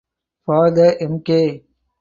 For the Mk.